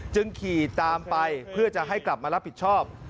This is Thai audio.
ขี่ตามไปเพื่อจะให้กลับมารับผิดชอบ